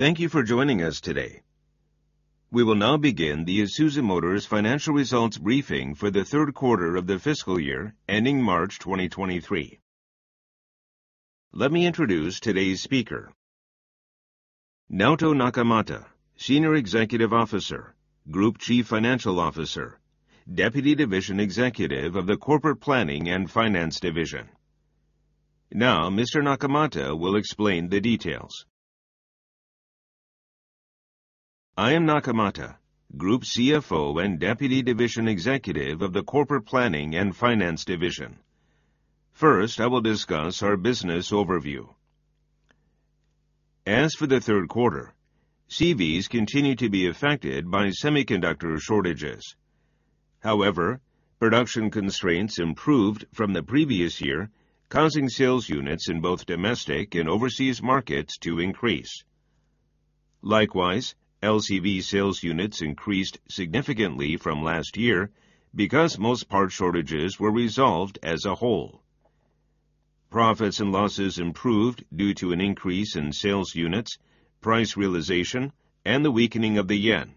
Thank you for joining us today. We will now begin the Isuzu Motors financial results briefing for the third quarter of the fiscal year ending March 2023. Let me introduce today's speaker. Naoto Nakamata, Senior Executive Officer, Group Chief Financial Officer, Deputy Division Executive of the Corporate Planning and Finance Division. Now, Mr. Nakamata will explain the details. I am Nakamata, Group CFO and Deputy Division Executive of the Corporate Planning and Finance Division. First, I will discuss our business overview. As for the third quarter, CVs continue to be affected by semiconductor shortages. However, production constraints improved from the previous year, causing sales units in both domestic and overseas markets to increase. Likewise, LCV sales units increased significantly from last year because most part shortages were resolved as a whole. Profits and losses improved due to an increase in sales units, price realization, and the weakening of the yen,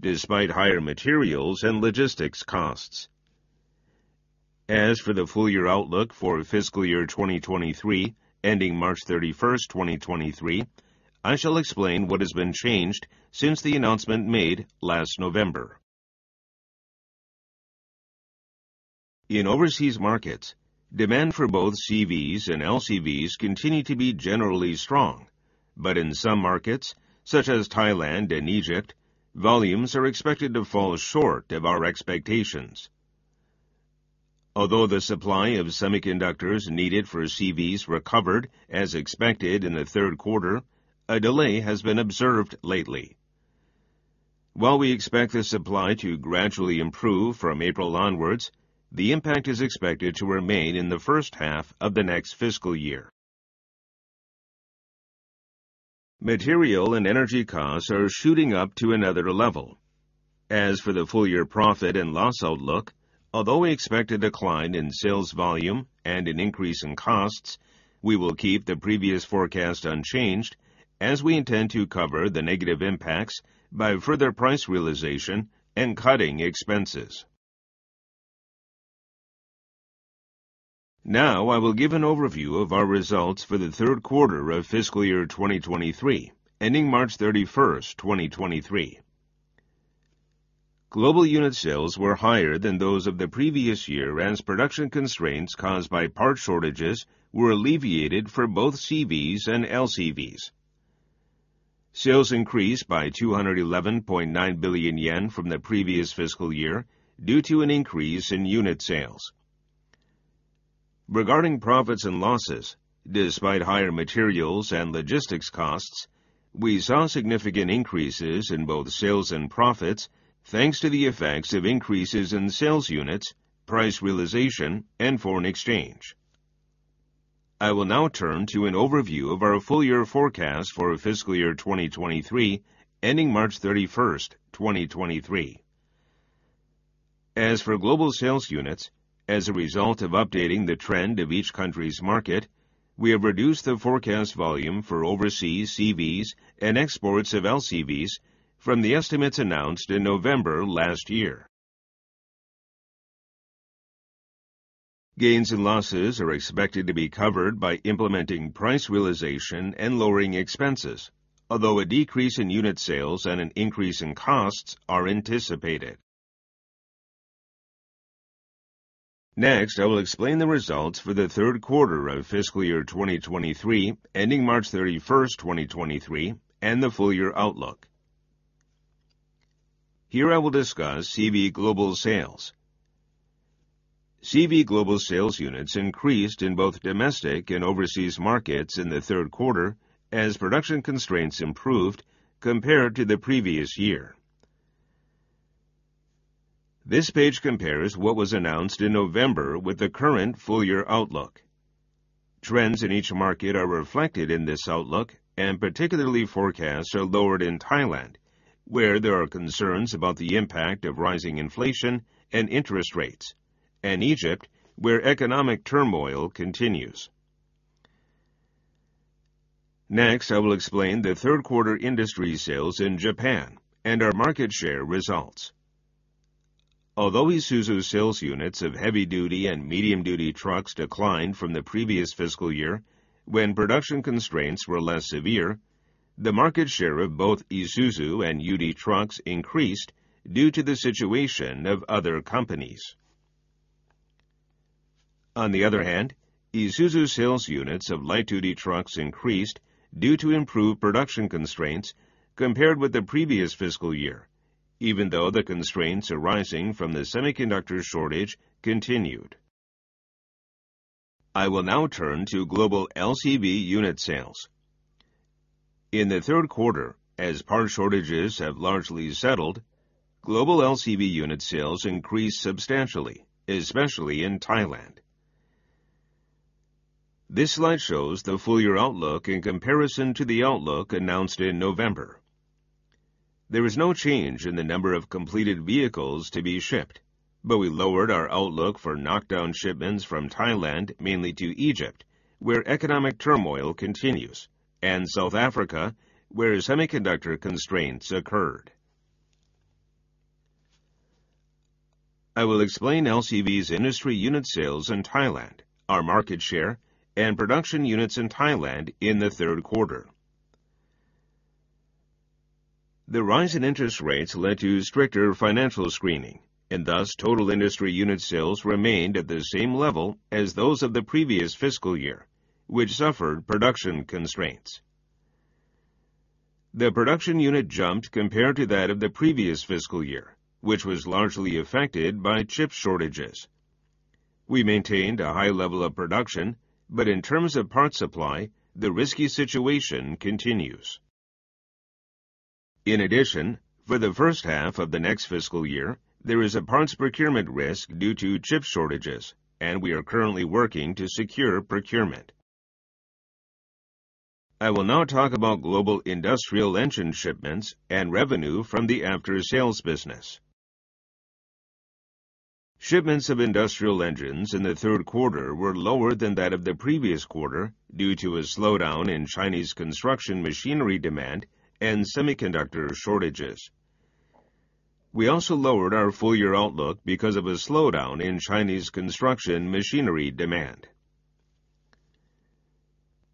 despite higher materials and logistics costs. As for the full year outlook for fiscal year 2023 ending March 31st, 2023, I shall explain what has been changed since the announcement made last November. In overseas markets, demand for both CVs and LCVs continue to be generally strong, but in some markets, such as Thailand and Egypt, volumes are expected to fall short of our expectations. Although the supply of semiconductors needed for CVs recovered as expected in the third quarter, a delay has been observed lately. While we expect the supply to gradually improve from April onwards, the impact is expected to remain in the first half of the next fiscal year. Material and energy costs are shooting up to another level. As for the full year profit and loss outlook, although we expect a decline in sales volume and an increase in costs, we will keep the previous forecast unchanged as we intend to cover the negative impacts by further price realization and cutting expenses. I will give an overview of our results for the third quarter of fiscal year 2023, ending March 31st, 2023. Global unit sales were higher than those of the previous year as production constraints caused by part shortages were alleviated for both CVs and LCVs. Sales increased by 211.9 billion yen from the previous fiscal year due to an increase in unit sales. Regarding profits and losses, despite higher materials and logistics costs, we saw significant increases in both sales and profits, thanks to the effects of increases in sales units, price realization, and foreign exchange. I will now turn to an overview of our full year forecast for fiscal year 2023, ending March 31st, 2023. As for global sales units, as a result of updating the trend of each country's market, we have reduced the forecast volume for overseas CVs and exports of LCVs from the estimates announced in November last year. Gains and losses are expected to be covered by implementing price realization and lowering expenses, although a decrease in unit sales and an increase in costs are anticipated. Next, I will explain the results for the third quarter of fiscal year 2023, ending March 31st, 2023, and the full year outlook. Here, I will discuss CV global sales. CV global sales units increased in both domestic and overseas markets in the third quarter as production constraints improved compared to the previous year. This page compares what was announced in November with the current full year outlook. Trends in each market are reflected in this outlook, and particularly forecasts are lowered in Thailand, where there are concerns about the impact of rising inflation and interest rates, and Egypt, where economic turmoil continues. I will explain the 3rd quarter industry sales in Japan and our market share results. Although Isuzu sales units of heavy-duty and medium-duty trucks declined from the previous fiscal year when production constraints were less severe, the market share of both Isuzu and UD Trucks increased due to the situation of other companies. On the other hand, Isuzu sales units of light-duty trucks increased due to improved production constraints compared with the previous fiscal year, even though the constraints arising from the semiconductor shortage continued. I will now turn to global LCV unit sales. In the third quarter, as part shortages have largely settled, global LCV unit sales increased substantially, especially in Thailand. This slide shows the full year outlook in comparison to the outlook announced in November. There is no change in the number of completed vehicles to be shipped, but we lowered our outlook for knockdown shipments from Thailand mainly to Egypt, where economic turmoil continues, and South Africa, where semiconductor constraints occurred. I will explain LCV's industry unit sales in Thailand, our market share, and production units in Thailand in the third quarter. The rise in interest rates led to stricter financial screening, and thus, total industry unit sales remained at the same level as those of the previous fiscal year, which suffered production constraints. The production unit jumped compared to that of the previous fiscal year, which was largely affected by chip shortages. We maintained a high level of production, but in terms of parts supply, the risky situation continues. For the first half of the next fiscal year, there is a parts procurement risk due to chip shortages, and we are currently working to secure procurement. I will now talk about global industrial engine shipments and revenue from the after-sales business. Shipments of industrial engines in the third quarter were lower than that of the previous quarter due to a slowdown in Chinese construction machinery demand and semiconductor shortages. We also lowered our full-year outlook because of a slowdown in Chinese construction machinery demand.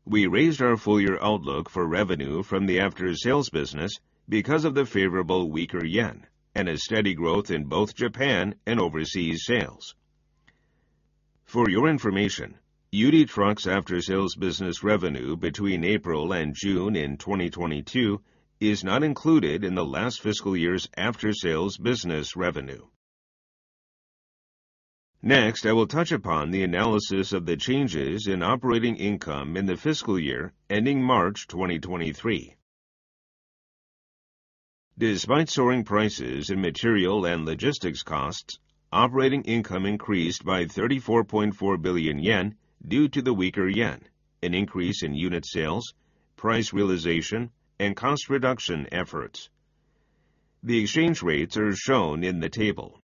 We raised our full-year outlook for revenue from the after-sales business because of the favorable weaker yen and a steady growth in both Japan and overseas sales. For your information, UD Trucks' after-sales business revenue between April and June in 2022 is not included in the last fiscal year's after-sales business revenue. Next, I will touch upon the analysis of the changes in operating income in the fiscal year ending March 2023. Despite soaring prices and material and logistics costs, operating income increased by 34.4 billion yen due to the weaker yen, an increase in unit sales, price realization, and cost reduction efforts. The exchange rates are shown in the table.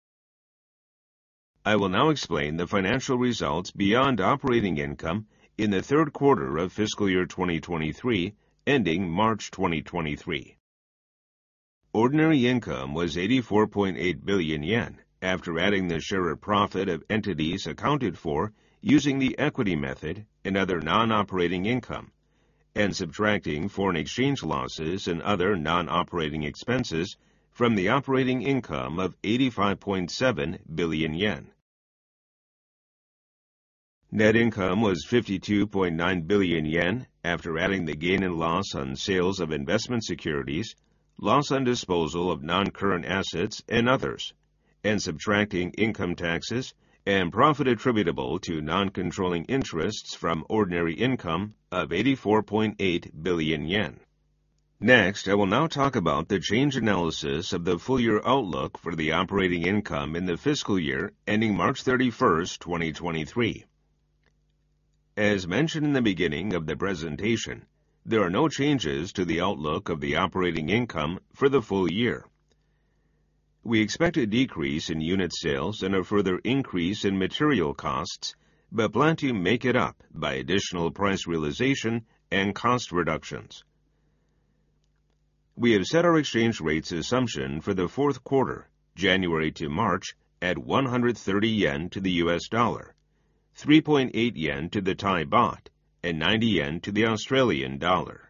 I will now explain the financial results beyond operating income in the third quarter of fiscal year 2023 ending March 2023. Ordinary income was 84.8 billion yen after adding the share of profit of entities accounted for using the equity method and other non-operating income, and subtracting foreign exchange losses and other non-operating expenses from the operating income of 85.7 billion yen. Net income was 52.9 billion yen after adding the gain and loss on sales of investment securities, loss on disposal of non-current assets and others, and subtracting income taxes and profit attributable to non-controlling interests from ordinary income of 84.8 billion yen. Next, I will now talk about the change analysis of the full year outlook for the operating income in the fiscal year ending March 31st, 2023. As mentioned in the beginning of the presentation, there are no changes to the outlook of the operating income for the full year. We expect a decrease in unit sales and a further increase in material costs, but plan to make it up by additional price realization and cost reductions. We have set our exchange rates assumption for the fourth quarter, January to March, at 130 yen to the US dollar, 3.8 yen to the Thai baht, and 90 yen to the Australian dollar.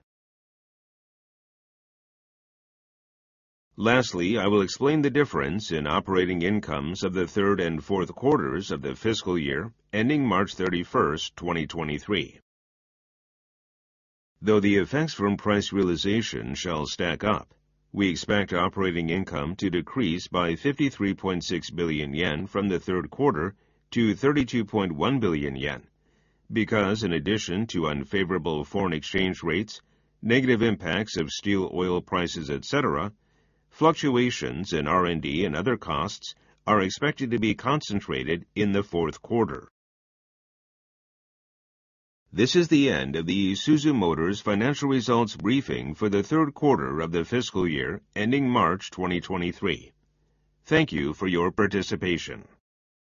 Lastly, I will explain the difference in operating incomes of the third and fourth quarters of the fiscal year ending March 31st, 2023. The effects from price realization shall stack up, we expect operating income to decrease by 53.6 billion yen from the third quarter to 32.1 billion yen because in addition to unfavorable foreign exchange rates, negative impacts of steel, oil prices, et cetera, fluctuations in R&D and other costs are expected to be concentrated in the fourth quarter. This is the end of the Isuzu Motors financial results briefing for the third quarter of the fiscal year ending March 2023. Thank you for your participation.